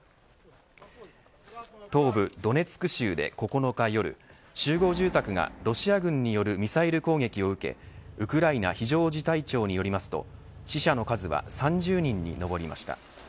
東部ドネツク州で９日夜集合住宅が、ロシア軍によるミサイル攻撃を受けウクライナ非常事態庁によりますと死者の数は３０人に上りました。